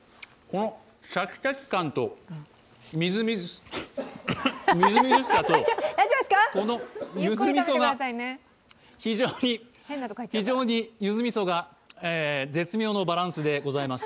シャキシャキ感とみずみずしさとこのゆずみそが非常に絶妙のバランスでございます。